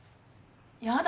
やだ！